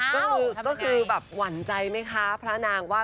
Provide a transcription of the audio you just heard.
ก็คือแบบหวั่นใจไหมคะพระนางว่า